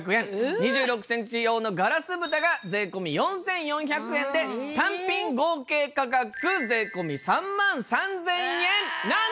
２６センチ用のガラス蓋が税込４４００円で単品合計価格税込３万３０００円なんですが！